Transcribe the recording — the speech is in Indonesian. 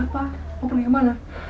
belum belum gak apa apa